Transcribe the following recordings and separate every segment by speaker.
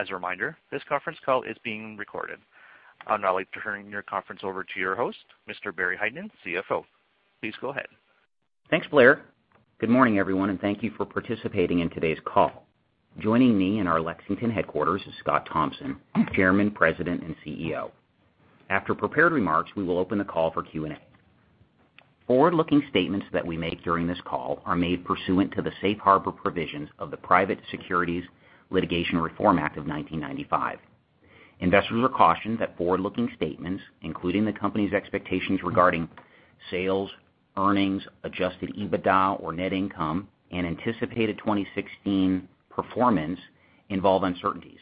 Speaker 1: As a reminder, this conference call is being recorded. I'd now like to turn your conference over to your host, Barry Hytinen, CFO. Please go ahead.
Speaker 2: Thanks, Blair. Good morning, everyone, and thank you for participating in today's call. Joining me in our Lexington headquarters is Scott Thompson, Chairman, President, and CEO. After prepared remarks, we will open the call for Q&A. Forward-looking statements that we make during this call are made pursuant to the safe harbor provisions of the Private Securities Litigation Reform Act of 1995. Investors are cautioned that forward-looking statements, including the company's expectations regarding sales, earnings, adjusted EBITDA or net income, and anticipated 2016 performance, involve uncertainties.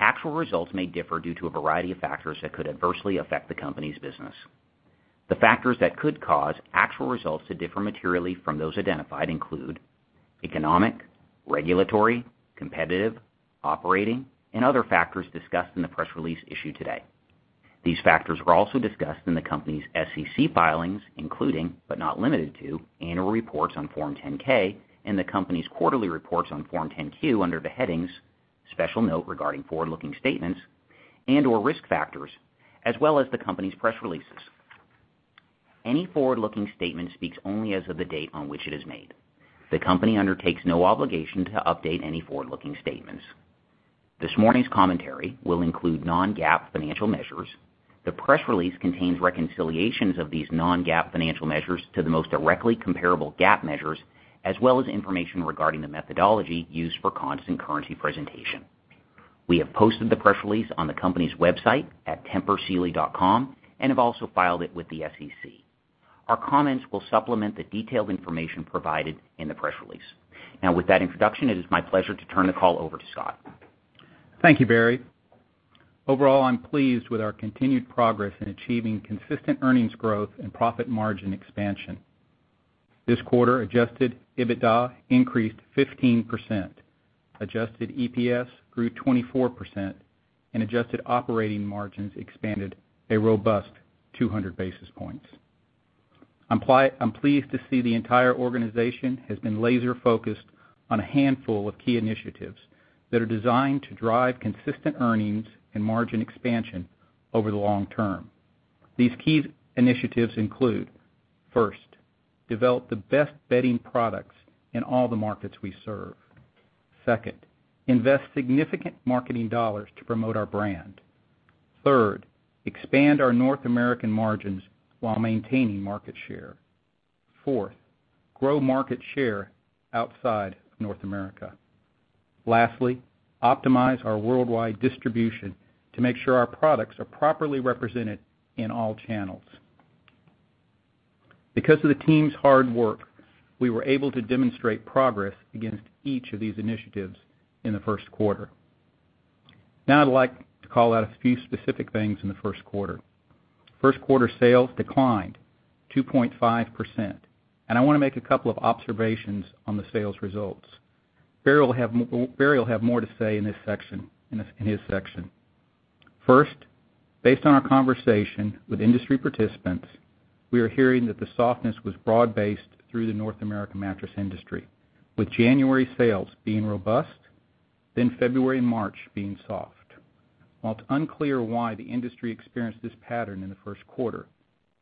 Speaker 2: Actual results may differ due to a variety of factors that could adversely affect the company's business. The factors that could cause actual results to differ materially from those identified include economic, regulatory, competitive, operating, and other factors discussed in the press release issued today. These factors are also discussed in the company's SEC filings, including, but not limited to, annual reports on Form 10-K and the company's quarterly reports on Form 10-Q under the headings "Special Note Regarding Forward-Looking Statements" and/or "Risk Factors," as well as the company's press releases. Any forward-looking statement speaks only as of the date on which it is made. The company undertakes no obligation to update any forward-looking statements. This morning's commentary will include non-GAAP financial measures. The press release contains reconciliations of these non-GAAP financial measures to the most directly comparable GAAP measures, as well as information regarding the methodology used for constant currency presentation. We have posted the press release on the company's website at tempursealy.com and have also filed it with the SEC. Our comments will supplement the detailed information provided in the press release. With that introduction, it is my pleasure to turn the call over to Scott.
Speaker 3: Thank you, Barry. Overall, I am pleased with our continued progress in achieving consistent earnings growth and profit margin expansion. This quarter, adjusted EBITDA increased 15%, adjusted EPS grew 24%, and adjusted operating margins expanded a robust 200 basis points. I am pleased to see the entire organization has been laser-focused on a handful of key initiatives that are designed to drive consistent earnings and margin expansion over the long term. These key initiatives include, first, develop the best bedding products in all the markets we serve. Second, invest significant marketing dollars to promote our brand. Third, expand our North American margins while maintaining market share. Fourth, grow market share outside of North America. Lastly, optimize our worldwide distribution to make sure our products are properly represented in all channels. Because of the team's hard work, we were able to demonstrate progress against each of these initiatives in the first quarter. I'd like to call out a few specific things in the first quarter. First quarter sales declined 2.5%, and I want to make a couple of observations on the sales results. Barry will have more to say in his section. Based on our conversation with industry participants, we are hearing that the softness was broad-based through the North American mattress industry, with January sales being robust, February and March being soft. While it's unclear why the industry experienced this pattern in the first quarter,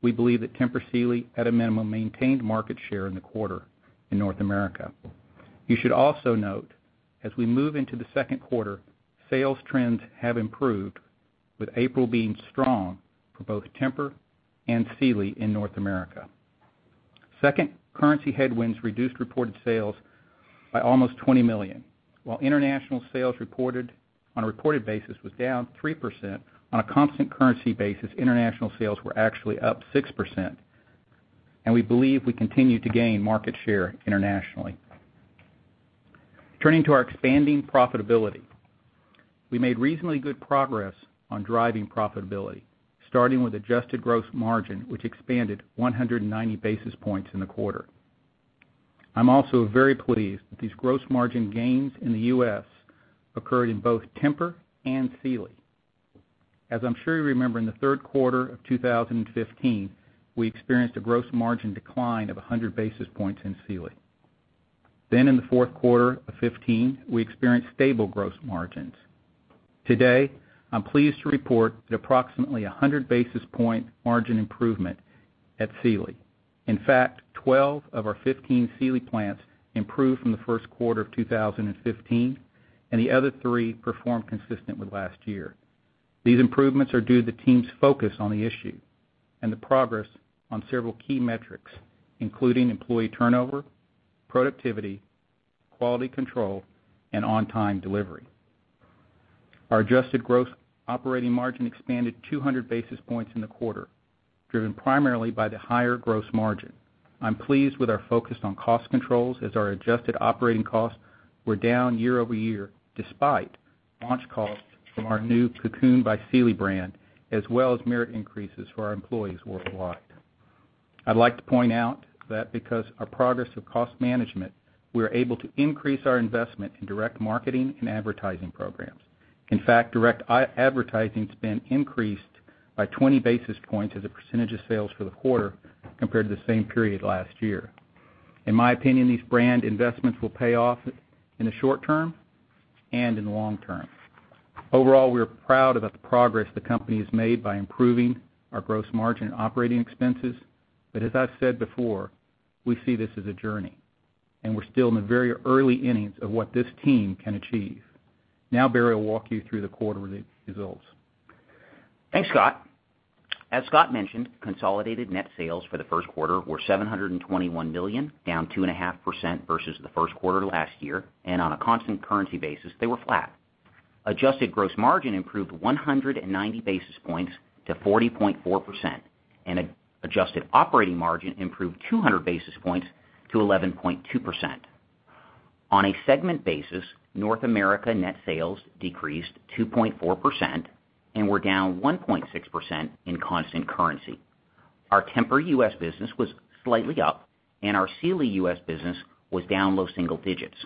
Speaker 3: we believe that Tempur Sealy, at a minimum, maintained market share in the quarter in North America. You should also note, as we move into the second quarter, sales trends have improved, with April being strong for both Tempur and Sealy in North America. Second, currency headwinds reduced reported sales by almost $20 million. International sales on a reported basis was down 3%, on a constant currency basis, international sales were actually up 6%, and we believe we continue to gain market share internationally. Turning to our expanding profitability. We made reasonably good progress on driving profitability, starting with adjusted gross margin, which expanded 190 basis points in the quarter. I am also very pleased that these gross margin gains in the U.S. occurred in both Tempur and Sealy. As I am sure you remember, in the third quarter of 2015, we experienced a gross margin decline of 100 basis points in Sealy. In the fourth quarter of 2015, we experienced stable gross margins. Today, I am pleased to report an approximately 100 basis point margin improvement at Sealy. In fact, 12 of our 15 Sealy plants improved from the first quarter of 2015, and the other three performed consistent with last year. These improvements are due to the team's focus on the issue and the progress on several key metrics, including employee turnover, productivity, quality control, and on-time delivery. Our adjusted gross operating margin expanded 200 basis points in the quarter, driven primarily by the higher gross margin. I am pleased with our focus on cost controls as our adjusted operating costs were down year-over-year, despite launch costs from our new Cocoon by Sealy brand, as well as merit increases for our employees worldwide. I'd like to point out that because our progress of cost management, we are able to increase our investment in direct marketing and advertising programs. In fact, direct advertising spend increased by 20 basis points as a percentage of sales for the quarter compared to the same period last year. In my opinion, these brand investments will pay off in the short term and in the long term. Overall, we are proud about the progress the company has made by improving our gross margin operating expenses. As I've said before, we see this as a journey, and we're still in the very early innings of what this team can achieve. Barry will walk you through the quarterly results.
Speaker 2: Thanks, Scott. As Scott mentioned, consolidated net sales for the first quarter were $721 million, down 2.5% versus the first quarter last year, and on a constant currency basis, they were flat. Adjusted gross margin improved 190 basis points to 40.4%, and adjusted operating margin improved 200 basis points to 11.2%. On a segment basis, North America net sales decreased 2.4% and were down 1.6% in constant currency. Our Tempur U.S. business was slightly up, and our Sealy U.S. business was down low single digits.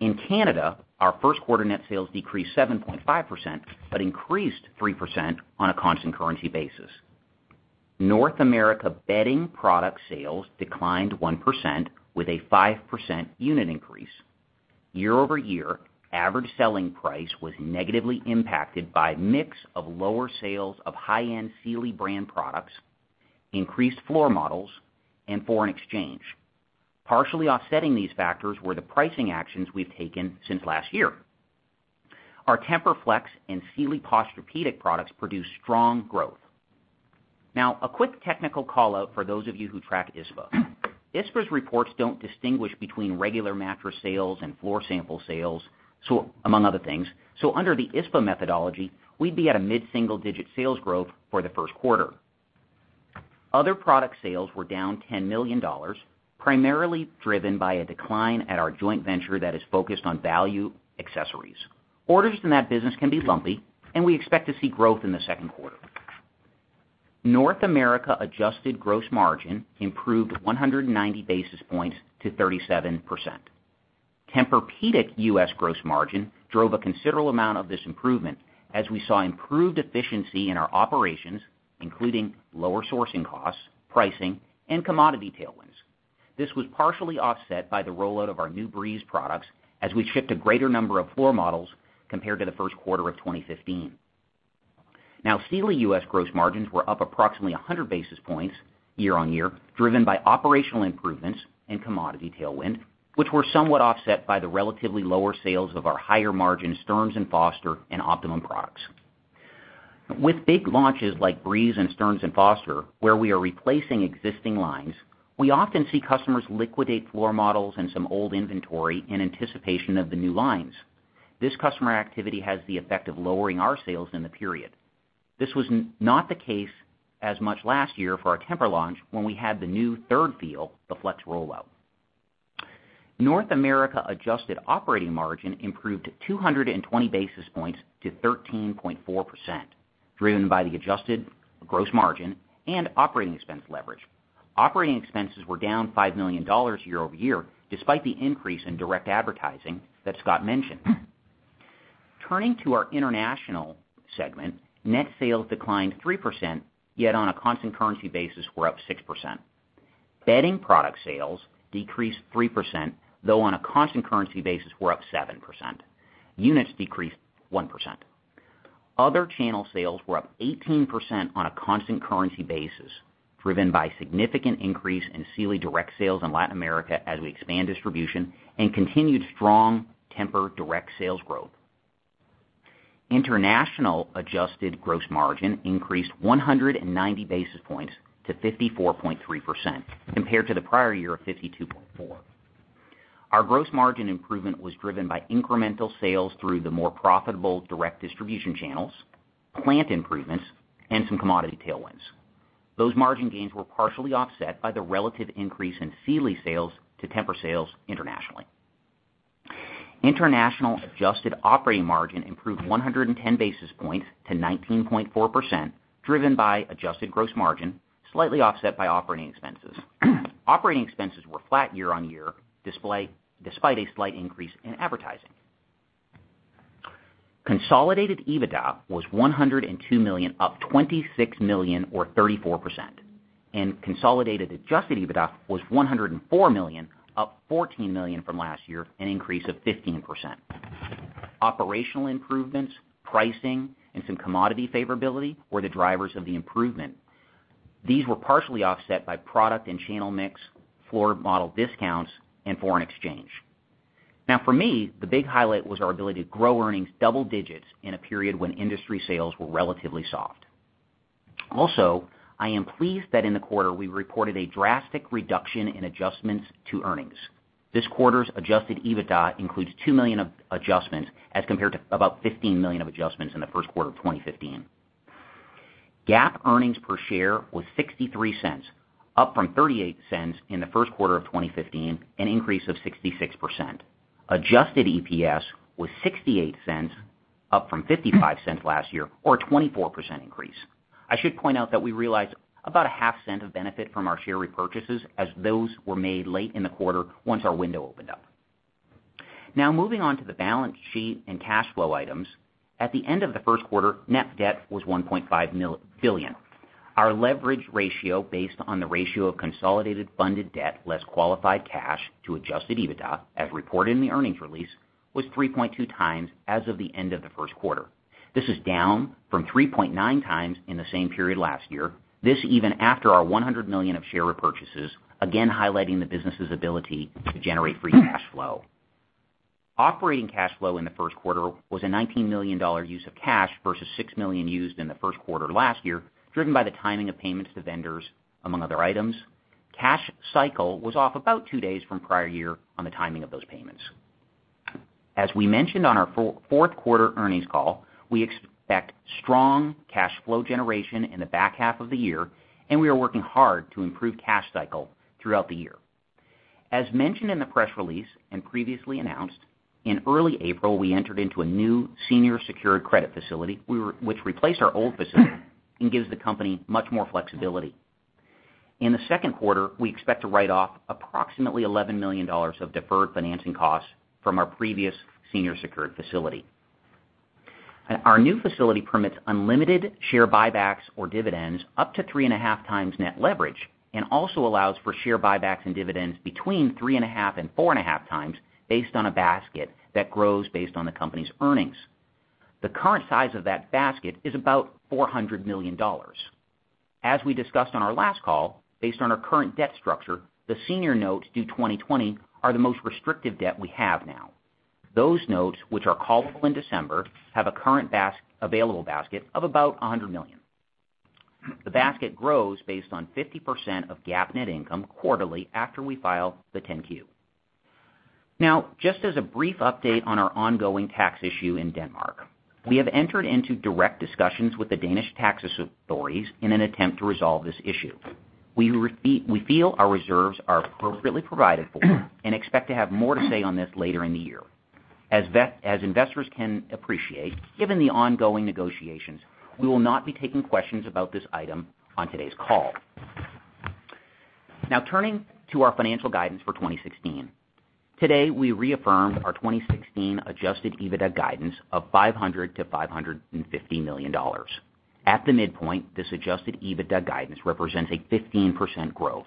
Speaker 2: In Canada, our first quarter net sales decreased 7.5% but increased 3% on a constant currency basis. North America Bedding product sales declined 1% with a 5% unit increase. Year-over-year, average selling price was negatively impacted by mix of lower sales of high-end Sealy brand products, increased floor models, and foreign exchange. Partially offsetting these factors were the pricing actions we've taken since last year. Our TEMPUR-Flex and Sealy Posturepedic products produced strong growth. A quick technical call-out for those of you who track ISPA. ISPA's reports don't distinguish between regular mattress sales and floor sample sales, among other things. Under the ISPA methodology, we'd be at a mid-single digit sales growth for the first quarter. Other product sales were down $10 million, primarily driven by a decline at our joint venture that is focused on value accessories. Orders in that business can be lumpy, and we expect to see growth in the second quarter. North America adjusted gross margin improved 190 basis points to 37%. Tempur-Pedic U.S. gross margin drove a considerable amount of this improvement as we saw improved efficiency in our operations, including lower sourcing costs, pricing, and commodity tailwinds. This was partially offset by the rollout of our new Breeze products as we shipped a greater number of floor models compared to the first quarter of 2015. Sealy U.S. gross margins were up approximately 100 basis points year-over-year, driven by operational improvements and commodity tailwind, which were somewhat offset by the relatively lower sales of our higher margin Stearns & Foster and Optimum products. With big launches like Breeze and Stearns & Foster, where we are replacing existing lines, we often see customers liquidate floor models and some old inventory in anticipation of the new lines. This customer activity has the effect of lowering our sales in the period. This was not the case as much last year for our Tempur launch when we had the new third feel, the TEMPUR-Flex rollout. North America adjusted operating margin improved 220 basis points to 13.4%, driven by the adjusted gross margin and operating expense leverage. Operating expenses were down $5 million year-over-year, despite the increase in direct advertising that Scott mentioned. Turning to our international segment, net sales declined 3%, yet on a constant currency basis, were up 6%. Bedding product sales decreased 3%, though on a constant currency basis, were up 7%. Units decreased 1%. Other channel sales were up 18% on a constant currency basis, driven by significant increase in Sealy direct sales in Latin America as we expand distribution and continued strong Tempur direct sales growth. International adjusted gross margin increased 190 basis points to 54.3% compared to the prior year of 52.4%. Our gross margin improvement was driven by incremental sales through the more profitable direct distribution channels, plant improvements, and some commodity tailwinds. Those margin gains were partially offset by the relative increase in Sealy sales to Tempur sales internationally. International adjusted operating margin improved 110 basis points to 19.4%, driven by adjusted gross margin, slightly offset by operating expenses. Operating expenses were flat year-over-year, despite a slight increase in advertising. Consolidated EBITDA was $102 million, up $26 million or 34%. Consolidated adjusted EBITDA was $104 million, up $14 million from last year, an increase of 15%. Operational improvements, pricing, and some commodity favorability were the drivers of the improvement. These were partially offset by product and channel mix, floor model discounts, and foreign exchange. For me, the big highlight was our ability to grow earnings double digits in a period when industry sales were relatively soft. I am pleased that in the quarter we reported a drastic reduction in adjustments to earnings. This quarter's adjusted EBITDA includes 2 million of adjustments as compared to about 15 million of adjustments in the first quarter of 2015. GAAP earnings per share was $0.63, up from $0.38 in the first quarter of 2015, an increase of 66%. Adjusted EPS was $0.68, up from $0.55 last year, or a 24% increase. I should point out that we realized about a half cent of benefit from our share repurchases as those were made late in the quarter once our window opened up. Moving on to the balance sheet and cash flow items. At the end of the first quarter, net debt was $1.5 billion. Our leverage ratio, based on the ratio of consolidated funded debt less qualified cash to adjusted EBITDA, as reported in the earnings release, was 3.2 times as of the end of the first quarter. This is down from 3.9 times in the same period last year. This even after our $100 million of share repurchases, again highlighting the business's ability to generate free cash flow. Operating cash flow in the first quarter was a $19 million use of cash versus $6 million used in the first quarter last year, driven by the timing of payments to vendors, among other items. Cash cycle was off about two days from prior year on the timing of those payments. As we mentioned on our fourth quarter earnings call, we expect strong cash flow generation in the back half of the year. We are working hard to improve cash cycle throughout the year. As mentioned in the press release and previously announced, in early April, we entered into a new senior secured credit facility, which replaced our old facility and gives the company much more flexibility. In the second quarter, we expect to write off approximately $11 million of deferred financing costs from our previous senior secured facility. Our new facility permits unlimited share buybacks or dividends up to 3.5x net leverage, and also allows for share buybacks and dividends between 3.5x and 4.5x based on a basket that grows based on the company's earnings. The current size of that basket is about $400 million. As we discussed on our last call, based on our current debt structure, the senior notes due 2020 are the most restrictive debt we have now. Those notes, which are callable in December, have a current available basket of about $100 million. The basket grows based on 50% of GAAP net income quarterly after we file the 10-Q. Just as a brief update on our ongoing tax issue in Denmark. We have entered into direct discussions with the Danish Tax Agency in an attempt to resolve this issue. We feel our reserves are appropriately provided for and expect to have more to say on this later in the year. As investors can appreciate, given the ongoing negotiations, we will not be taking questions about this item on today's call. Turning to our financial guidance for 2016. Today, we reaffirmed our 2016 adjusted EBITDA guidance of $500 million-$550 million. At the midpoint, this adjusted EBITDA guidance represents a 15% growth.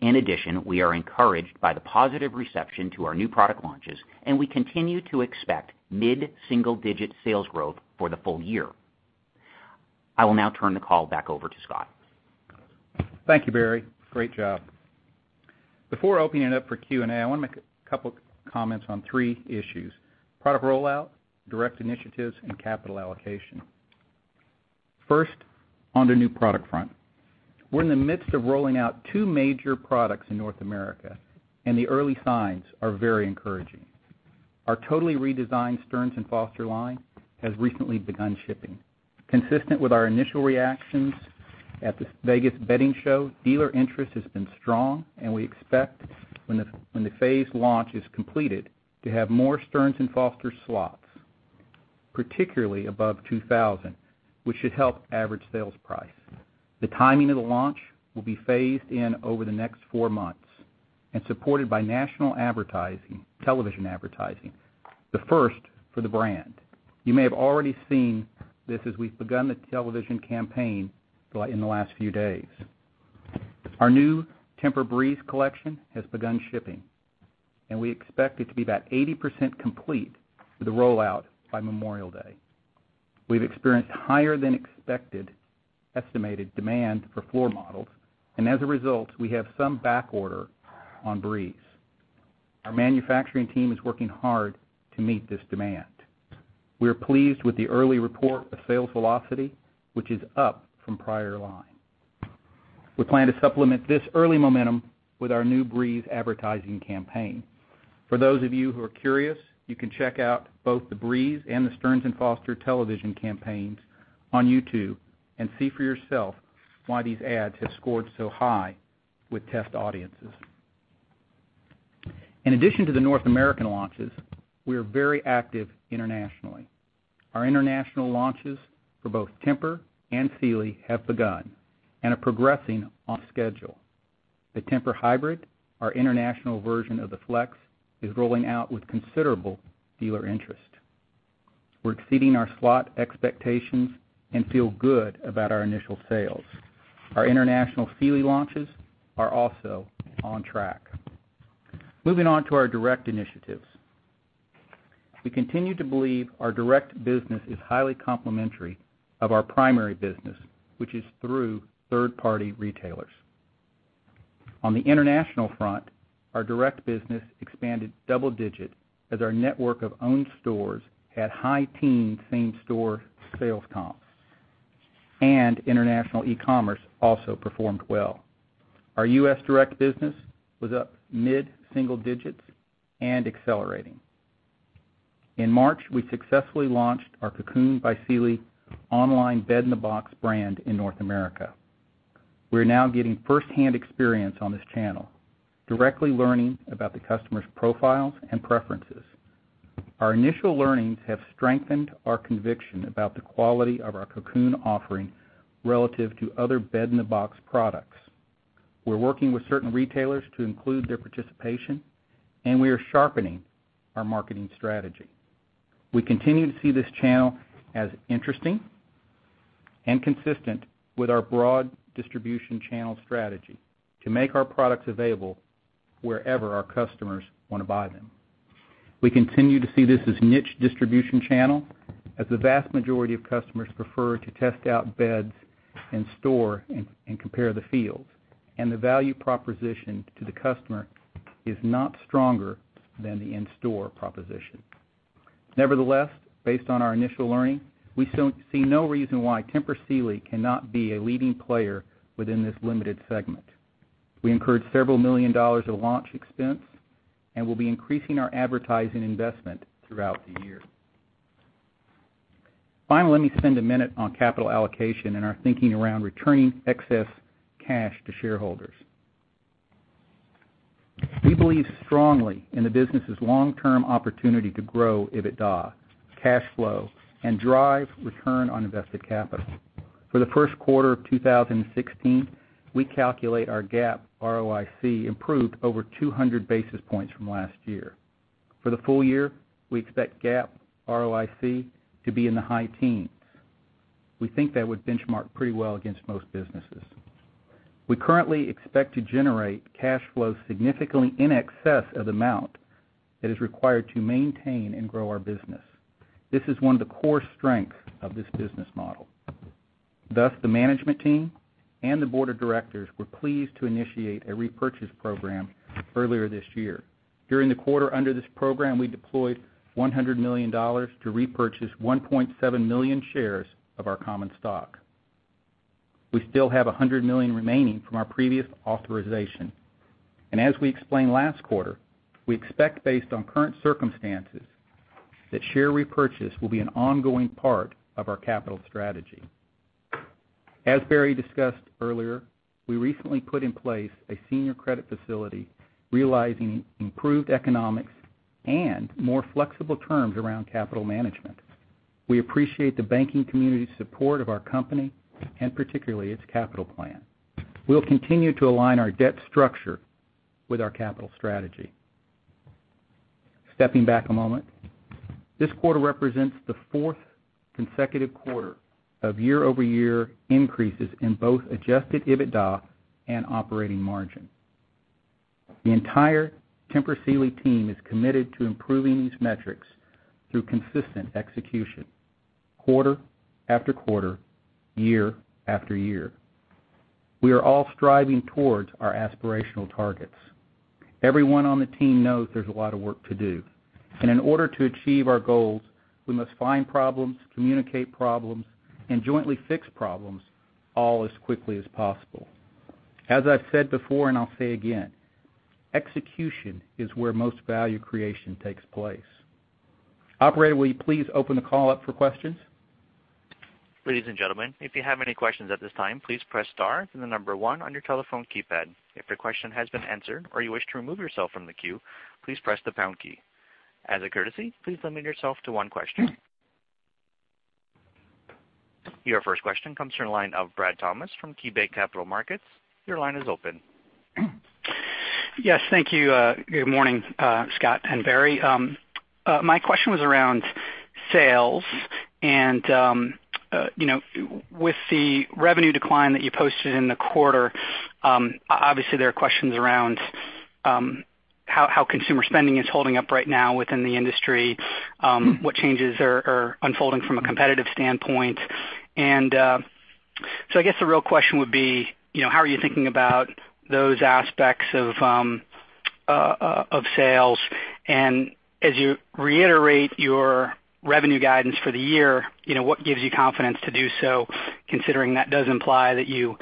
Speaker 2: In addition, we are encouraged by the positive reception to our new product launches, and we continue to expect mid-single digit sales growth for the full year. I will now turn the call back over to Scott.
Speaker 3: Thank you, Bhaskar. Great job. Before opening it up for Q&A, I want to make a couple comments on three issues: product rollout, direct initiatives, and capital allocation. First, on the new product front. We're in the midst of rolling out two major products in North America, and the early signs are very encouraging. Our totally redesigned Stearns & Foster line has recently begun shipping. Consistent with our initial reactions at the Las Vegas Market, dealer interest has been strong, and we expect when the phase launch is completed to have more Stearns & Foster slots, particularly above 2,000, which should help average sales price. The timing of the launch will be phased in over the next four months and supported by national television advertising. The first for the brand. You may have already seen this as we've begun the television campaign in the last few days. Our new TEMPUR-Breeze collection has begun shipping, and we expect it to be about 80% complete with the rollout by Memorial Day. We've experienced higher than expected estimated demand for floor models, and as a result, we have some backorder on Breeze. Our manufacturing team is working hard to meet this demand. We are pleased with the early report of sales velocity, which is up from prior line. We plan to supplement this early momentum with our new Breeze advertising campaign. For those of you who are curious, you can check out both the Breeze and the Stearns & Foster television campaigns on YouTube and see for yourself why these ads have scored so high with test audiences. In addition to the North American launches, we are very active internationally. Our international launches for both Tempur and Sealy have begun and are progressing on schedule. The TEMPUR-Hybrid, our international version of the Flex, is rolling out with considerable dealer interest. We are exceeding our slot expectations and feel good about our initial sales. Our international Sealy launches are also on track. Moving on to our direct initiatives. We continue to believe our direct business is highly complementary of our primary business, which is through third-party retailers. On the international front, our direct business expanded double-digit as our network of owned stores had high-teen same-store sales comps, and international e-commerce also performed well. Our U.S. direct business was up mid-single-digits and accelerating. In March, we successfully launched our Cocoon by Sealy online bed-in-a-box brand in North America. We are now getting first-hand experience on this channel, directly learning about the customers' profiles and preferences. Our initial learnings have strengthened our conviction about the quality of our Cocoon offering relative to other bed-in-a-box products. We are working with certain retailers to include their participation, and we are sharpening our marketing strategy. We continue to see this channel as interesting and consistent with our broad distribution channel strategy to make our products available wherever our customers want to buy them. We continue to see this as niche distribution channel, as the vast majority of customers prefer to test out beds in store and compare the feels, and the value proposition to the customer is not stronger than the in-store proposition. Nevertheless, based on our initial learning, we see no reason why Tempur Sealy cannot be a leading player within this limited segment. We incurred several million dollars of launch expense and will be increasing our advertising investment throughout the year. Finally, let me spend a minute on capital allocation and our thinking around returning excess cash to shareholders. We believe strongly in the business's long-term opportunity to grow EBITDA, cash flow, and drive return on invested capital. For the first quarter of 2016, we calculate our GAAP ROIC improved over 200 basis points from last year. For the full year, we expect GAAP ROIC to be in the high-teens. We think that would benchmark pretty well against most businesses. We currently expect to generate cash flow significantly in excess of the amount that is required to maintain and grow our business. This is one of the core strengths of this business model. Thus, the management team and the board of directors were pleased to initiate a repurchase program earlier this year. During the quarter under this program, we deployed $100 million to repurchase 1.7 million shares of our common stock. We still have $100 million remaining from our previous authorization. As we explained last quarter, we expect based on current circumstances, that share repurchase will be an ongoing part of our capital strategy. As Bhaskar discussed earlier, we recently put in place a senior credit facility realizing improved economics and more flexible terms around capital management. We appreciate the banking community's support of our company, and particularly its capital plan. We will continue to align our debt structure with our capital strategy. Stepping back a moment, this quarter represents the fourth consecutive quarter of year-over-year increases in both adjusted EBITDA and operating margin. The entire Tempur Sealy team is committed to improving these metrics through consistent execution quarter after quarter, year after year. We are all striving towards our aspirational targets. Everyone on the team knows there's a lot of work to do. In order to achieve our goals, we must find problems, communicate problems, and jointly fix problems all as quickly as possible. As I've said before and I'll say again, execution is where most value creation takes place. Operator, will you please open the call up for questions?
Speaker 1: Ladies and gentlemen, if you have any questions at this time, please press star then the number one on your telephone keypad. If your question has been answered or you wish to remove yourself from the queue, please press the pound key. As a courtesy, please limit yourself to one question. Your first question comes from the line of Bradley Thomas from KeyBanc Capital Markets. Your line is open.
Speaker 4: Yes. Thank you. Good morning, Scott and Barry. My question was around sales and with the revenue decline that you posted in the quarter, obviously, there are questions around how consumer spending is holding up right now within the industry, what changes are unfolding from a competitive standpoint. So I guess the real question would be, how are you thinking about those aspects of sales? As you reiterate your revenue guidance for the year, what gives you confidence to do so, considering that does imply that you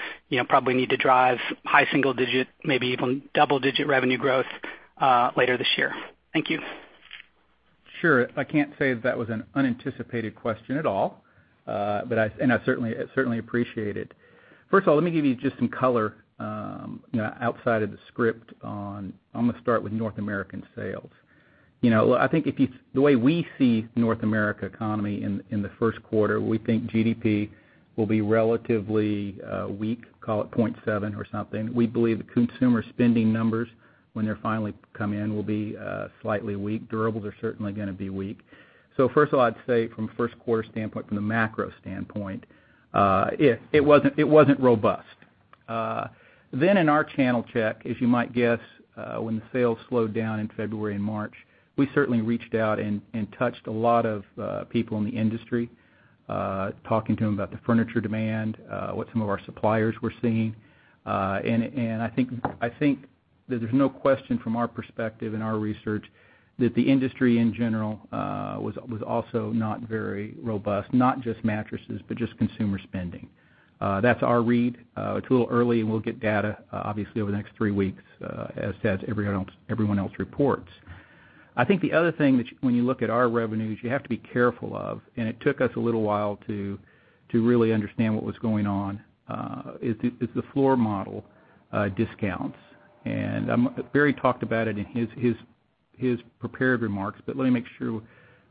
Speaker 4: probably need to drive high single-digit, maybe even double-digit revenue growth later this year? Thank you.
Speaker 3: Sure. I can't say that was an unanticipated question at all. I certainly appreciate it. First of all, let me give you just some color outside of the script on, I'm going to start with North American sales. I think the way we see North America economy in the first quarter, we think GDP will be relatively weak, call it 0.7 or something. We believe the consumer spending numbers, when they finally come in, will be slightly weak. Durables are certainly going to be weak. First of all, I'd say from first quarter standpoint, from the macro standpoint it wasn't robust. In our channel check, as you might guess when the sales slowed down in February and March, we certainly reached out and touched a lot of people in the industry talking to them about the furniture demand, what some of our suppliers were seeing. I think that there's no question from our perspective and our research that the industry in general was also not very robust, not just mattresses, but just consumer spending. That's our read. It's a little early and we'll get data, obviously, over the next three weeks as everyone else reports. I think the other thing that when you look at our revenues, you have to be careful of, and it took us a little while to really understand what was going on is the floor model discounts. Barry talked about it in his prepared remarks, but let me make sure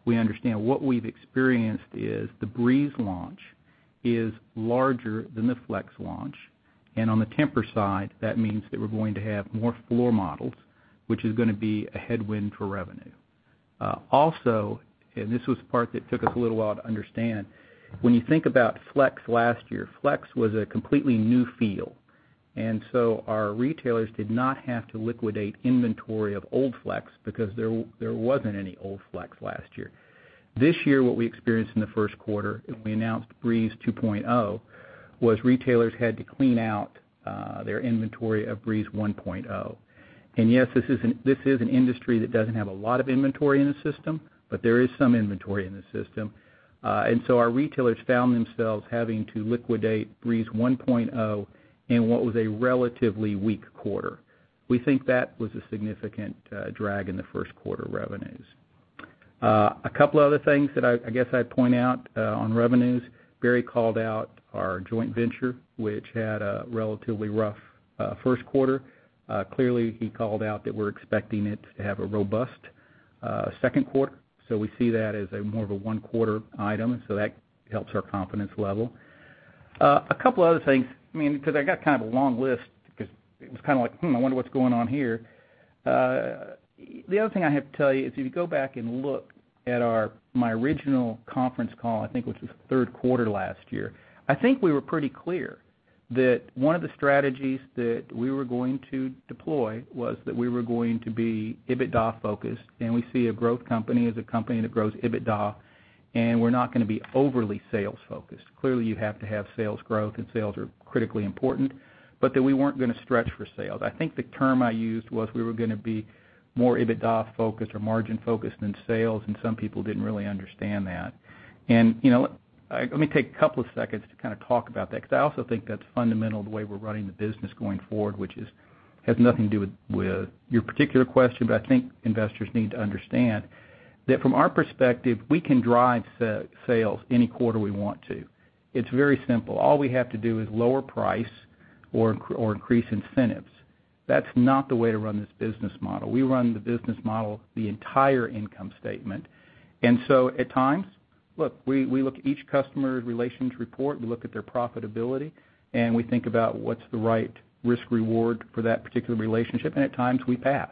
Speaker 3: we understand. What we've experienced is the Breeze launch is larger than the Flex launch. On the Tempur side, that means that we're going to have more floor models, which is going to be a headwind for revenue. Also, this was the part that took us a little while to understand, when you think about Flex last year, Flex was a completely new feel. So our retailers did not have to liquidate inventory of old Flex because there wasn't any old Flex last year. This year, what we experienced in the first quarter, and we announced LuxeBreeze 2.0, was retailers had to clean out their inventory of Breeze 1.0. Yes, this is an industry that doesn't have a lot of inventory in the system, but there is some inventory in the system. So our retailers found themselves having to liquidate Breeze 1.0 in what was a relatively weak quarter. We think that was a significant drag in the first quarter revenues. A couple other things that I guess I'd point out on revenues, Barry called out our joint venture, which had a relatively rough first quarter. Clearly, he called out that we're expecting it to have a robust second quarter. We see that as more of a one-quarter item, so that helps our confidence level. A couple other things, because I got kind of a long list because it was kind of like, hmm, I wonder what's going on here. The other thing I have to tell you is if you go back and look at my original conference call, I think which was third quarter last year, I think we were pretty clear that one of the strategies that we were going to deploy was that we were going to be EBITDA-focused, and we see a growth company as a company that grows EBITDA, and we're not going to be overly sales-focused. Clearly, you have to have sales growth, and sales are critically important, but that we weren't going to stretch for sales. I think the term I used was we were going to be more EBITDA-focused or margin-focused than sales, and some people didn't really understand that. Let me take two seconds to kind of talk about that, because I also think that's fundamental the way we're running the business going forward, which has nothing to do with your particular question. I think investors need to understand that from our perspective, we can drive sales any quarter we want to. It's very simple. All we have to do is lower price or increase incentives. That's not the way to run this business model. We run the business model the entire income statement. At times, look, we look at each customer's relations report, we look at their profitability, and we think about what's the right risk-reward for that particular relationship, and at times we pass.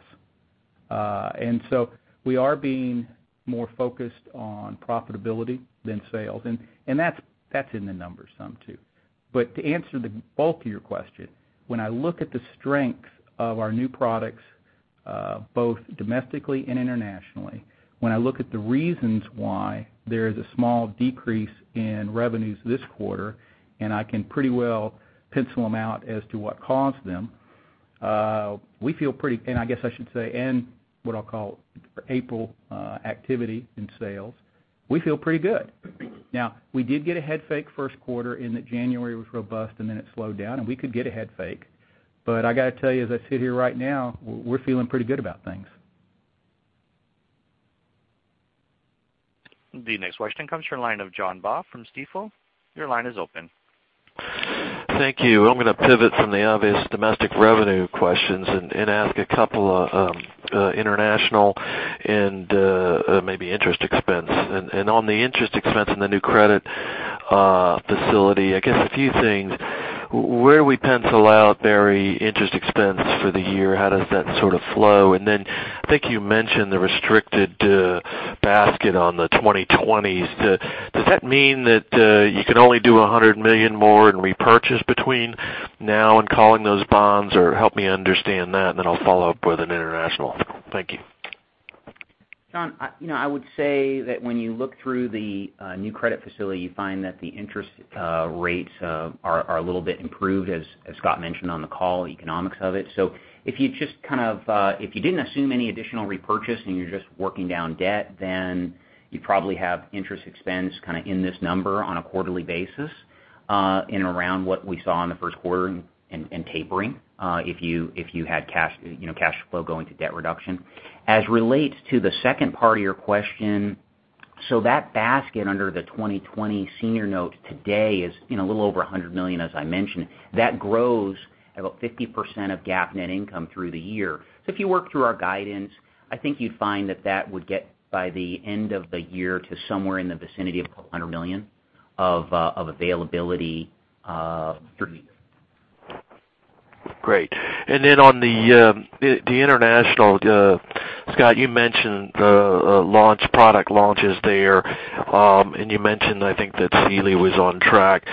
Speaker 3: We are being more focused on profitability than sales, and that's in the numbers some, too. To answer the bulk of your question, when I look at the strength of our new products both domestically and internationally, when I look at the reasons why there is a small decrease in revenues this quarter, and I can pretty well pencil them out as to what caused them, and I guess I should say, and what I'll call April activity in sales, we feel pretty good. Now, we did get a head fake first quarter in that January was robust and then it slowed down, and we could get a head fake. I got to tell you, as I sit here right now, we're feeling pretty good about things.
Speaker 1: The next question comes from the line of John Baugh from Stifel. Your line is open.
Speaker 5: Thank you. I'm going to pivot from the obvious domestic revenue questions and ask two international and maybe interest expense. On the interest expense and the new credit facility, I guess a few things. Where do we pencil out, Barry, interest expense for the year? How does that sort of flow? Then I think you mentioned the restricted basket on the 2020s. Does that mean that you can only do $100 million more in repurchase between now and calling those bonds, or help me understand that, and then I'll follow up with an international. Thank you.
Speaker 2: John, I would say that when you look through the new credit facility, you find that the interest rates are a little bit improved, as Scott mentioned on the call, economics of it. If you didn't assume any additional repurchase and you're just working down debt, then you probably have interest expense kind of in this number on a quarterly basis in around what we saw in the first quarter and tapering, if you had cash flow going to debt reduction. As relates to the second part of your question, that basket under the 2020 senior note today is a little over $100 million, as I mentioned. That grows at about 50% of GAAP net income through the year. If you work through our guidance, I think you'd find that that would get by the end of the year to somewhere in the vicinity of $100 million of availability for you.
Speaker 5: Great. Then on the international, Scott, you mentioned the product launches there, and you mentioned, I think that Sealy was on track.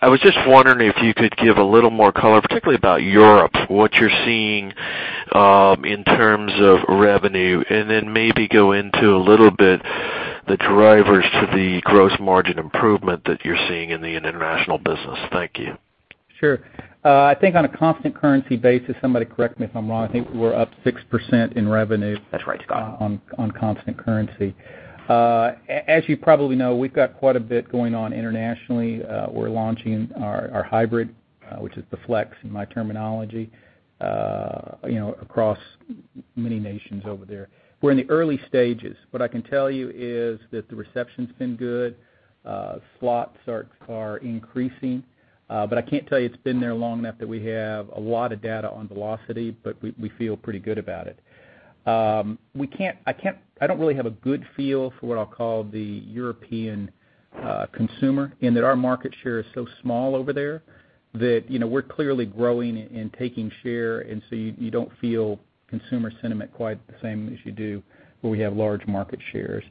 Speaker 5: I was just wondering if you could give a little more color, particularly about Europe, what you're seeing in terms of revenue, and then maybe go into a little bit the drivers to the gross margin improvement that you're seeing in the international business. Thank you.
Speaker 3: Sure. I think on a constant currency basis, somebody correct me if I'm wrong, I think we're up 6% in revenue.
Speaker 5: That's right, Scott
Speaker 3: on constant currency. As you probably know, we've got quite a bit going on internationally. We're launching our hybrid, which is the Flex, in my terminology, across many nations over there. We're in the early stages. What I can tell you is that the reception's been good. Slots are increasing. I can't tell you it's been there long enough that we have a lot of data on velocity, but we feel pretty good about it. I don't really have a good feel for what I'll call the European consumer, in that our market share is so small over there that we're clearly growing and taking share. You don't feel consumer sentiment quite the same as you do where we have large market shares.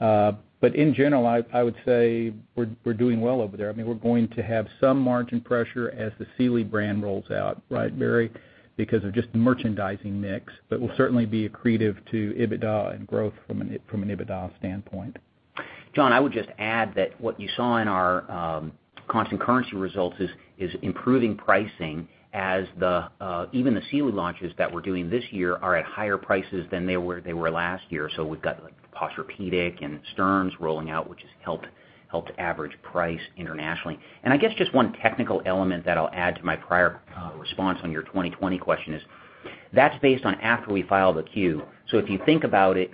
Speaker 3: In general, I would say we're doing well over there. We're going to have some margin pressure as the Sealy brand rolls out, right, Barry? Because of just the merchandising mix. We'll certainly be accretive to EBITDA and growth from an EBITDA standpoint.
Speaker 2: John, I would just add that what you saw in our constant currency results is improving pricing as even the Sealy launches that we're doing this year are at higher prices than they were last year. We've got Posturepedic and Stearns rolling out, which has helped average price internationally. I guess just one technical element that I'll add to my prior response on your 2020 question is that's based on after we file the Q. If you think about it,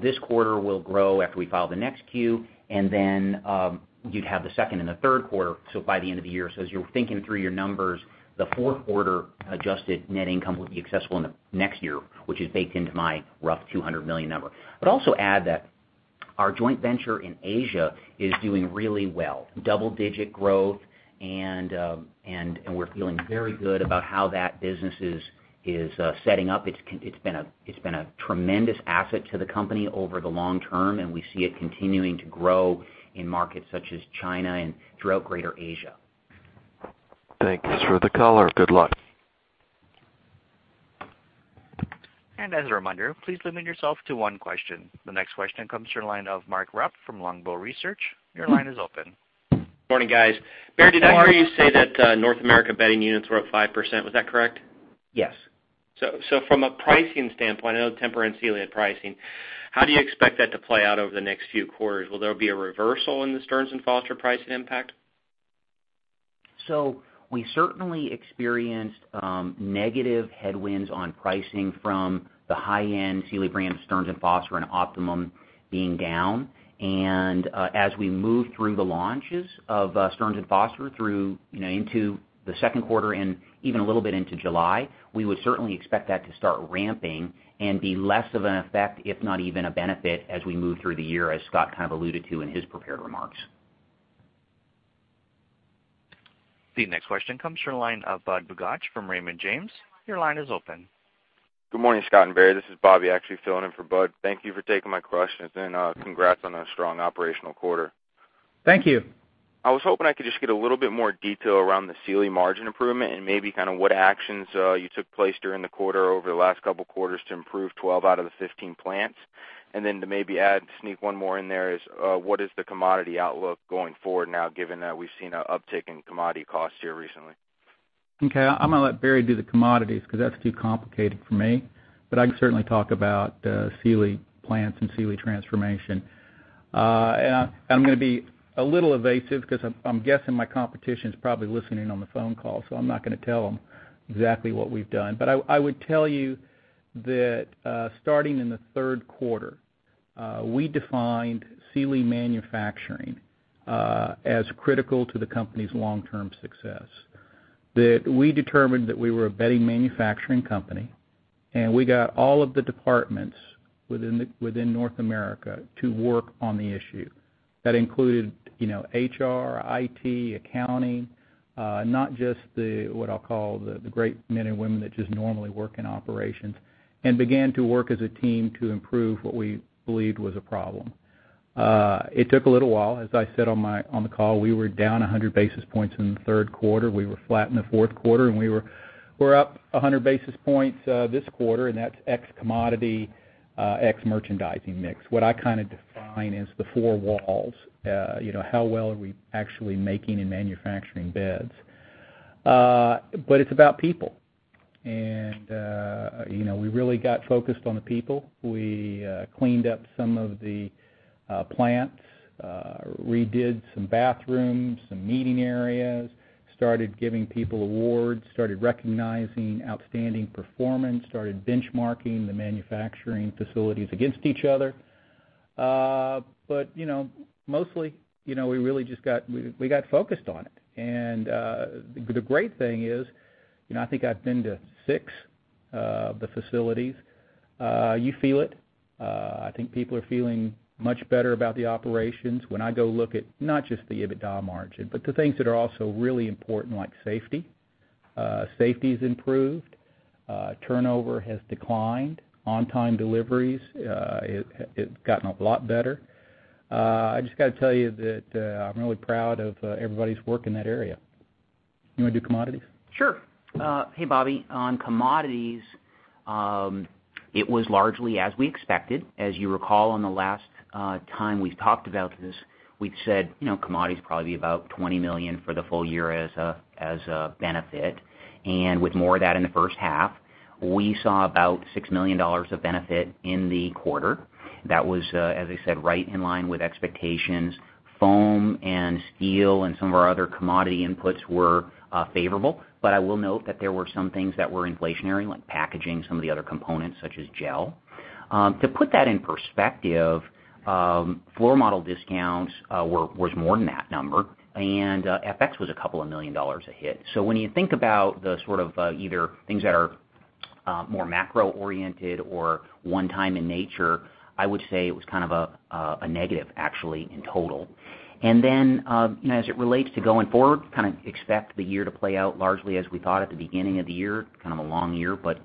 Speaker 2: this quarter will grow after we file the next Q. You'd have the second and the third quarter, by the end of the year. As you're thinking through your numbers, the fourth quarter adjusted net income will be accessible in the next year, which is baked into my rough $200 million number. I'd also add that our joint venture in Asia is doing really well. Double-digit growth, and we're feeling very good about how that business is setting up. It's been a tremendous asset to the company over the long term, and we see it continuing to grow in markets such as China and throughout greater Asia.
Speaker 5: Thank you for the color. Good luck.
Speaker 1: As a reminder, please limit yourself to one question. The next question comes to the line of Mark Rupe from Longbow Research. Your line is open.
Speaker 6: Morning, guys. Barry, did I hear you say that North America bedding units were up 5%? Was that correct?
Speaker 2: Yes.
Speaker 6: From a pricing standpoint, I know Tempur and Sealy had pricing. How do you expect that to play out over the next few quarters? Will there be a reversal in the Stearns & Foster pricing impact?
Speaker 2: We certainly experienced negative headwinds on pricing from the high-end Sealy brand, Stearns & Foster, and Optimum being down. As we move through the launches of Stearns & Foster through into the second quarter and even a little bit into July, we would certainly expect that to start ramping and be less of an effect, if not even a benefit, as we move through the year, as Scott kind of alluded to in his prepared remarks.
Speaker 1: The next question comes from the line of Budd Bugatch from Raymond James. Your line is open.
Speaker 7: Good morning, Scott and Barry. This is Bobby actually filling in for Budd. Thank you for taking my questions and congrats on a strong operational quarter.
Speaker 3: Thank you.
Speaker 7: I was hoping I could just get a little bit more detail around the Sealy margin improvement and maybe kind of what actions you took place during the quarter over the last couple of quarters to improve 12 out of the 15 plants. Then to maybe add, sneak one more in there is, what is the commodity outlook going forward now, given that we've seen an uptick in commodity costs here recently?
Speaker 3: Okay. I'm going to let Barry do the commodities because that's too complicated for me. I can certainly talk about Sealy plants and Sealy transformation. I'm going to be a little evasive because I'm guessing my competition's probably listening in on the phone call, so I'm not going to tell them exactly what we've done. I would tell you that starting in the third quarter, we defined Sealy manufacturing as critical to the company's long-term success. That we determined that we were a bedding manufacturing company, and we got all of the departments within North America to work on the issue. That included HR, IT, accounting, not just what I'll call the great men and women that just normally work in operations, and began to work as a team to improve what we believed was a problem. It took a little while. As I said on the call, we were down 100 basis points in the third quarter. We were flat in the fourth quarter, we're up 100 basis points this quarter, and that's ex commodity, ex merchandising mix. What I kind of define as the four walls. How well are we actually making and manufacturing beds? It's about people. We really got focused on the people. We cleaned up some of the plants, redid some bathrooms, some meeting areas, started giving people awards, started recognizing outstanding performance, started benchmarking the manufacturing facilities against each other. Mostly, we got focused on it. The great thing is, I think I've been to six of the facilities. You feel it. I think people are feeling much better about the operations. When I go look at not just the EBITDA margin, but the things that are also really important, like safety. Safety's improved. Turnover has declined. On-time deliveries have gotten a lot better. I just got to tell you that I'm really proud of everybody's work in that area. You want to do commodities?
Speaker 2: Sure. Hey, Bobby. On commodities, it was largely as we expected. As you recall, on the last time we talked about this, we'd said commodities probably be about $20 million for the full year as a benefit, and with more of that in the first half. We saw about $6 million of benefit in the quarter. That was, as I said, right in line with expectations. Foam and steel and some of our other commodity inputs were favorable. I will note that there were some things that were inflationary, like packaging, some of the other components such as gel. To put that in perspective, floor model discounts was more than that number, and FX was a $2 million hit. When you think about the sort of either things that are more macro-oriented or one-time in nature, I would say it was kind of a negative actually in total. As it relates to going forward, kind of expect the year to play out largely as we thought at the beginning of the year, kind of a long year, but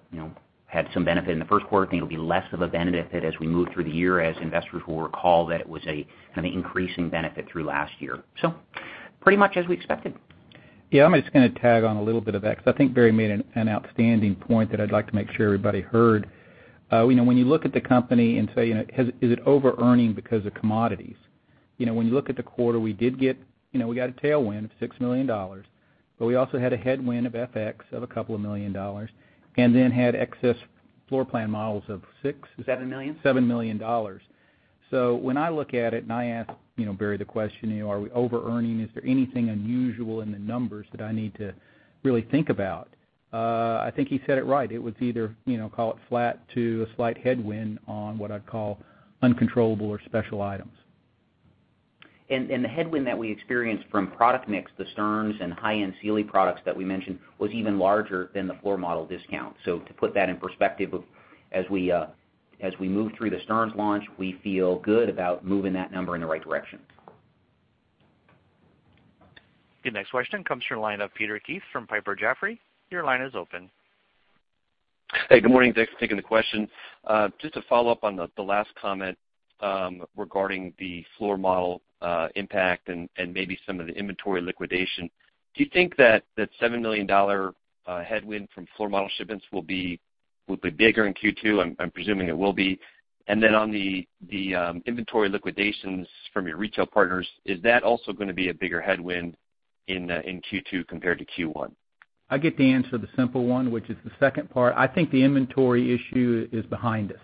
Speaker 2: had some benefit in the first quarter, think it'll be less of a benefit as we move through the year, as investors will recall that it was a kind of increasing benefit through last year. Pretty much as we expected.
Speaker 3: Yeah. I'm just going to tag on a little bit of that because I think Barry made an outstanding point that I'd like to make sure everybody heard. When you look at the company and say, is it over-earning because of commodities? When you look at the quarter, we got a tailwind of $6 million, but we also had a headwind of FX of a $2 million, and then had excess floor plan models of six?
Speaker 2: Is that $1 million?
Speaker 3: $7 million. When I look at it and I ask Barry the question, are we over-earning? Is there anything unusual in the numbers that I need to really think about? I think he said it right. It was either call it flat to a slight headwind on what I'd call uncontrollable or special items.
Speaker 2: The headwind that we experienced from product mix, the Stearns and high-end Sealy products that we mentioned, was even larger than the floor model discount. To put that in perspective, as we move through the Stearns launch, we feel good about moving that number in the right direction.
Speaker 1: Your next question comes from the line of Peter Keith from Piper Jaffray. Your line is open.
Speaker 8: Good morning. Thanks for taking the question. Just to follow up on the last comment regarding the floor model impact and maybe some of the inventory liquidation. Do you think that $7 million headwind from floor model shipments will be bigger in Q2? I am presuming it will be. On the inventory liquidations from your retail partners, is that also going to be a bigger headwind in Q2 compared to Q1?
Speaker 3: I get to answer the simple one, which is the second part. I think the inventory issue is behind us.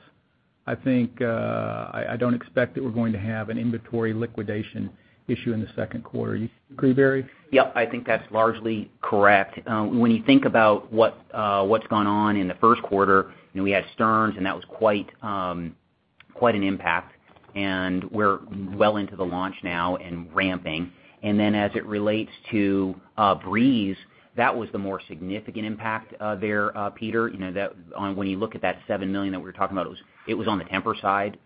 Speaker 3: I do not expect that we are going to have an inventory liquidation issue in the second quarter. You agree, Bhaskar?
Speaker 2: Yep. I think that is largely correct. When you think about what is gone on in the first quarter, we had Stearns & Foster and that was quite an impact and we are well into the launch now and ramping. As it relates to Breeze, that was the more significant impact there, Peter. When you look at that $7 million that we were talking about, it was on the Tempur side,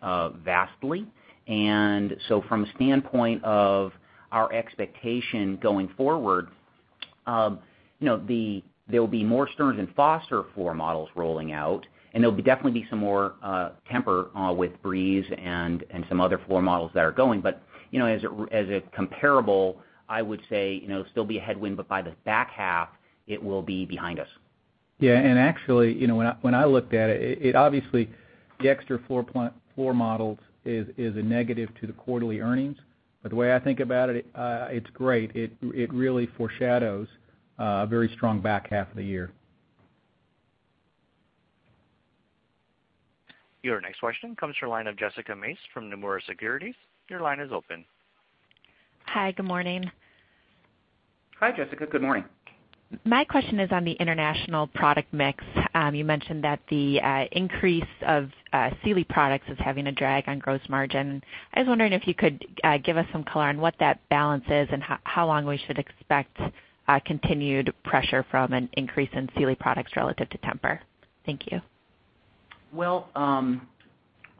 Speaker 2: vastly. From a standpoint of our expectation going forward, there will be more Stearns & Foster floor models rolling out and there will definitely be some more Tempur with Breeze and some other floor models that are going. As a comparable, I would say, still be a headwind, but by the back half, it will be behind us.
Speaker 3: Yeah. Actually, when I looked at it, obviously the extra floor models is a negative to the quarterly earnings. The way I think about it is great. It really foreshadows a very strong back half of the year.
Speaker 1: Your next question comes from the line of Jessica Mace from Nomura Securities. Your line is open.
Speaker 9: Hi. Good morning.
Speaker 2: Hi, Jessica. Good morning.
Speaker 9: My question is on the international product mix. You mentioned that the increase of Sealy products is having a drag on gross margin. I was wondering if you could give us some color on what that balance is and how long we should expect continued pressure from an increase in Sealy products relative to Tempur. Thank you.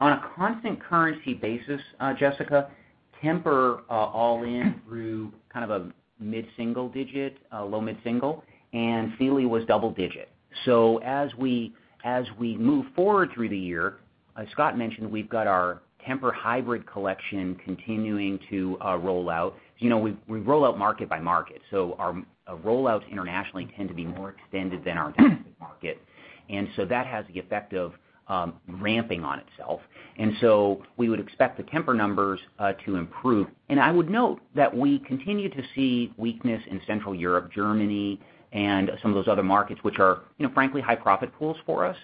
Speaker 2: On a constant currency basis, Jessica, Tempur all in grew kind of a mid-single digit, low mid-single, and Sealy was double digit. As we move forward through the year, as Scott mentioned, we've got our TEMPUR-Hybrid collection continuing to roll out. We roll out market by market. Our rollouts internationally tend to be more extended than our domestic market. That has the effect of ramping on itself. We would expect the Tempur numbers to improve. I would note that we continue to see weakness in Central Europe, Germany, and some of those other markets, which are, frankly, high profit pools for us.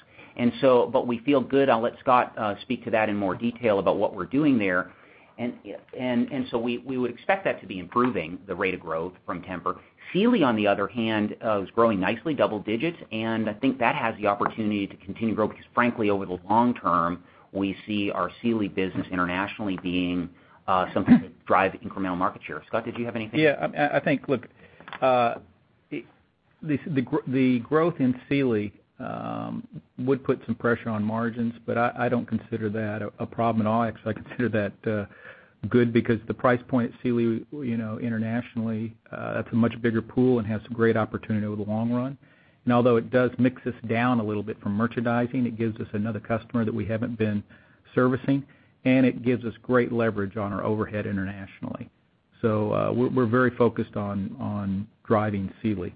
Speaker 2: We feel good. I'll let Scott speak to that in more detail about what we're doing there. We would expect that to be improving the rate of growth from Tempur. Sealy, on the other hand, is growing nicely double digits, and I think that has the opportunity to continue to grow because frankly, over the long term, we see our Sealy business internationally being something that drives incremental market share. Scott, did you have anything?
Speaker 3: Yeah. I think, look, the growth in Sealy would put some pressure on margins. I don't consider that a problem at all. Actually, I consider that good because the price point at Sealy internationally, that's a much bigger pool and has some great opportunity over the long run. Although it does mix us down a little bit from merchandising, it gives us another customer that we haven't been servicing, and it gives us great leverage on our overhead internationally. We're very focused on driving Sealy.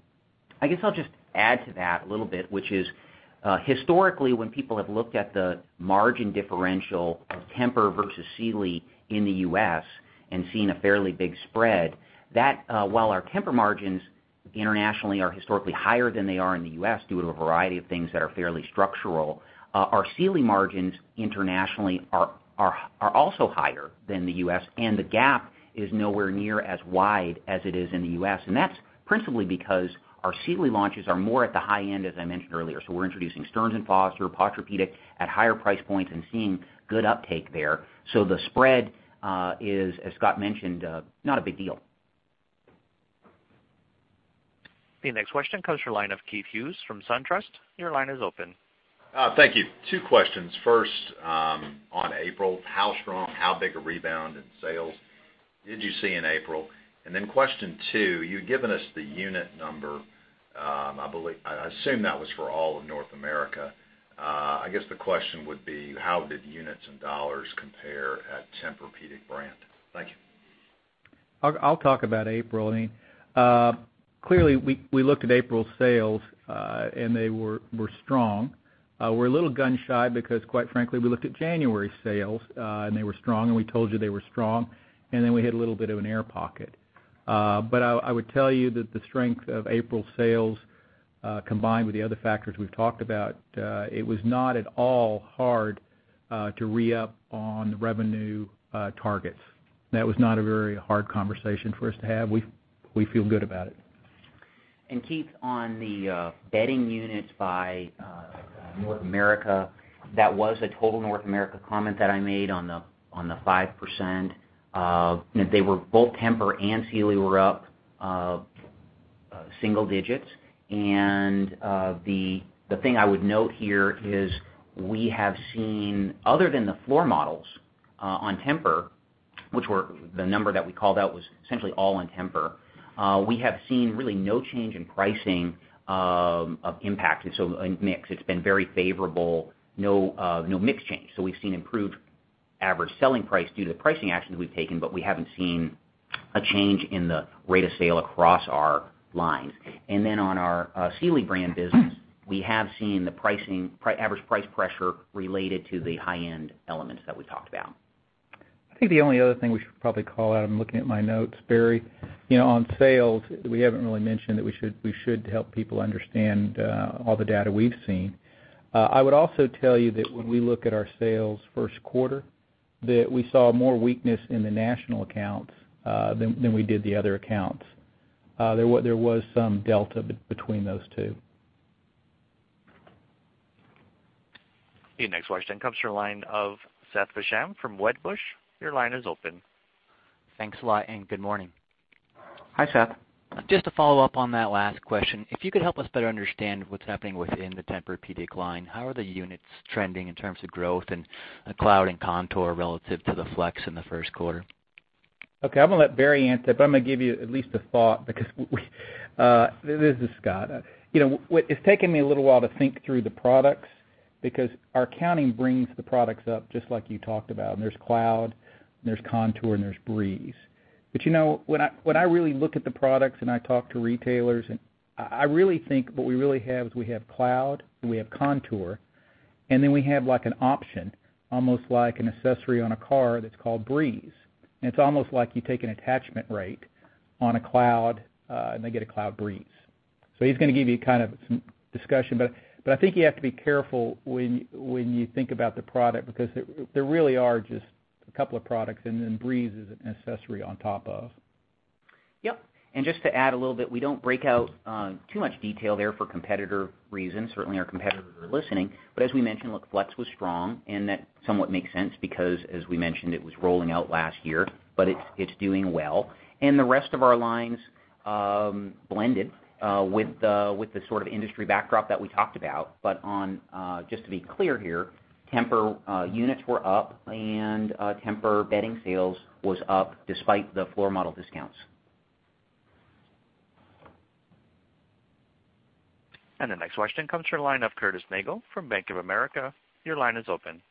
Speaker 2: I guess I'll just add to that a little bit, which is, historically when people have looked at the margin differential of Tempur versus Sealy in the U.S. and seen a fairly big spread, while our Tempur margins internationally are historically higher than they are in the U.S. due to a variety of things that are fairly structural. Our Sealy margins internationally are also higher than the U.S., and the gap is nowhere near as wide as it is in the U.S. That's principally because our Sealy launches are more at the high end, as I mentioned earlier. We're introducing Stearns & Foster, Tempur-Pedic at higher price points and seeing good uptake there. The spread is, as Scott mentioned, not a big deal.
Speaker 1: The next question comes from the line of Keith Hughes from SunTrust. Your line is open.
Speaker 10: Thank you. Two questions. First, on April, how strong, how big a rebound in sales did you see in April? Question two, you'd given us the unit number. I assume that was for all of North America. I guess the question would be, how did units and dollars compare at Tempur-Pedic brand? Thank you.
Speaker 3: I'll talk about April. Clearly, we looked at April sales, they were strong. We're a little gun-shy because quite frankly, we looked at January sales, they were strong, we told you they were strong, we hit a little bit of an air pocket. I would tell you that the strength of April sales, combined with the other factors we've talked about, it was not at all hard to re-up on the revenue targets. That was not a very hard conversation for us to have. We feel good about it.
Speaker 2: Keith, on the bedding units by North America, that was a total North America comment that I made on the 5%. Both Tempur and Sealy were up single digits. The thing I would note here is we have seen, other than the floor models on Tempur, which the number that we called out was essentially all on Tempur. We have seen really no change in pricing of impact. In mix, it's been very favorable, no mix change. We've seen improved average selling price due to the pricing actions we've taken, we haven't seen a change in the rate of sale across our lines. On our Sealy brand business, we have seen the average price pressure related to the high-end elements that we talked about.
Speaker 3: I think the only other thing we should probably call out, I'm looking at my notes, Barry. On sales, we haven't really mentioned that we should help people understand all the data we've seen. I would also tell you that when we look at our sales first quarter, that we saw more weakness in the national accounts than we did the other accounts. There was some delta between those two.
Speaker 1: The next question comes from the line of Seth Basham from Wedbush. Your line is open.
Speaker 11: Thanks a lot and good morning.
Speaker 3: Hi, Seth.
Speaker 11: Just to follow up on that last question, if you could help us better understand what's happening within the Tempur-Pedic line, how are the units trending in terms of growth and TEMPUR-Cloud and TEMPUR-Contour relative to the Flex in the first quarter?
Speaker 3: Okay. I'm going to let Bhaskar answer, but I'm going to give you at least a thought because this is Scott. It's taken me a little while to think through the products because our accounting brings the products up just like you talked about, and there's TEMPUR-Cloud, and there's TEMPUR-Contour, and there's Breeze. When I really look at the products and I talk to retailers, I really think what we really have is we have TEMPUR-Cloud, and we have TEMPUR-Contour, and then we have an option, almost like an accessory on a car that's called Breeze. It's almost like you take an attachment rate on a TEMPUR-Cloud, and they get a TEMPUR-Cloud Breeze. He's going to give you some discussion, but I think you have to be careful when you think about the product because there really are just a couple of products and then Breeze is an accessory on top of them.
Speaker 2: Yep. Just to add a little bit, we don't break out too much detail there for competitor reasons. Certainly, our competitors are listening. As we mentioned, look, Flex was strong and that somewhat makes sense because as we mentioned, it was rolling out last year, but it's doing well. The rest of our lines blended with the sort of industry backdrop that we talked about. Just to be clear here, Tempur units were up and Tempur bedding sales was up despite the floor model discounts.
Speaker 1: The next question comes from the line of Curtis Nagle from Bank of America. Your line is open.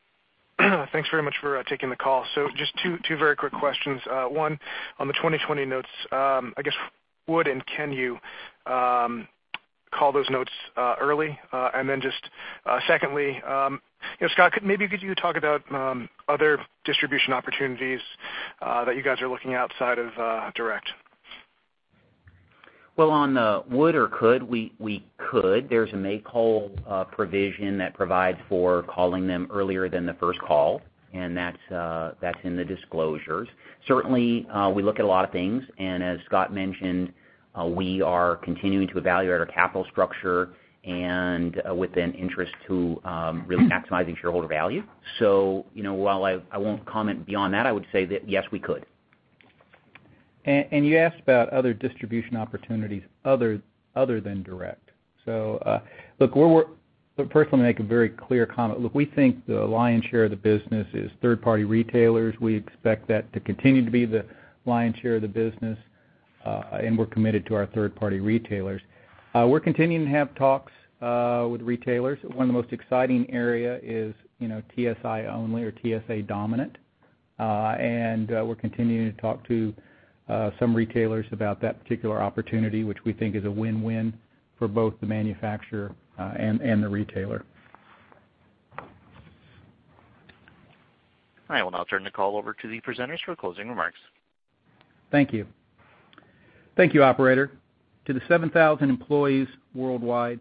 Speaker 12: Thanks very much for taking the call. Just two very quick questions. One on the 2020 notes, I guess would and can you call those notes early? Secondly, Scott, maybe could you talk about other distribution opportunities that you guys are looking outside of direct?
Speaker 2: Well, on the would or could, we could. There's a make-whole provision that provides for calling them earlier than the first call, and that's in the disclosures. Certainly, we look at a lot of things, as Scott mentioned, we are continuing to evaluate our capital structure and with an interest to really maximizing shareholder value. While I won't comment beyond that, I would say that yes, we could.
Speaker 3: You asked about other distribution opportunities other than direct. Look, first let me make a very clear comment. Look, we think the lion's share of the business is third-party retailers. We expect that to continue to be the lion's share of the business, and we're committed to our third-party retailers. We're continuing to have talks with retailers. One of the most exciting area is TSI only or TSA dominant. We're continuing to talk to some retailers about that particular opportunity, which we think is a win-win for both the manufacturer and the retailer.
Speaker 1: I will now turn the call over to the presenters for closing remarks.
Speaker 3: Thank you. Thank you, operator. To the 7,000 employees worldwide,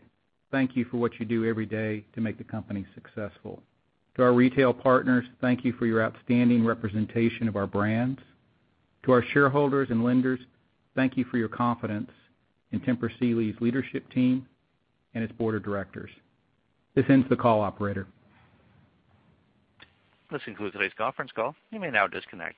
Speaker 3: thank you for what you do every day to make the company successful. To our retail partners, thank you for your outstanding representation of our brands. To our shareholders and lenders, thank you for your confidence in Tempur Sealy's leadership team and its board of directors. This ends the call, operator.
Speaker 1: This concludes today's conference call. You may now disconnect.